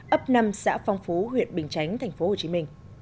ấp năm xã phong phú huyện bình chánh tp hcm